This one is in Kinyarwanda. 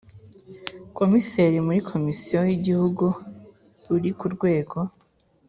Komiseri muri Komisiyo yIgihugu uri ku rwego